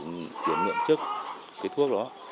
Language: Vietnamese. mình kiểm nghiệm trước cái thuốc đó